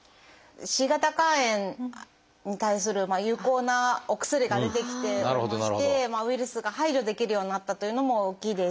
Ｃ型肝炎に対する有効なお薬が出てきておりましてウイルスが排除できるようになったというのも大きいですし。